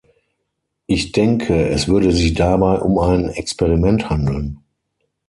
Ich denke, es würde sich dabei um ein Experiment handeln.